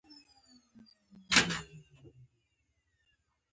دا میوه طبیعي انټياکسیدان لري.